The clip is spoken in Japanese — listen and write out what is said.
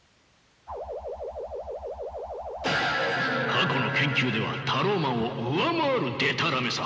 過去の研究ではタローマンを上回るでたらめさ。